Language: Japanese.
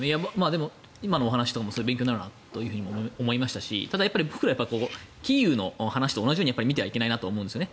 でも今のお話も勉強になるなと思いましたしただ、僕ら、キーウの話と同じように見てはいけないなと思うんですね。